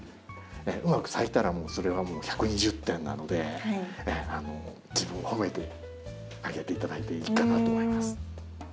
うまく咲いたらそれはもう１２０点なので自分を褒めてあげていただいていいかなと思います。